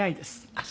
あっ